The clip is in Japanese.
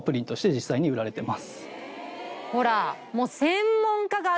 ほら。